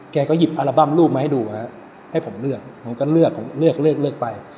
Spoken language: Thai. แกก็หยิบอัลบั้มรูปมาให้ดูให้ผมเลือกผมก็เลือกผมเลือกเลือกไป